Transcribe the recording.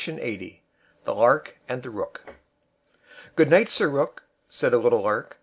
THE LARK AND THE ROOK "Good night, Sir Rook!" said a little lark.